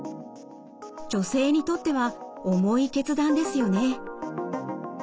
女性にとっては重い決断ですよね。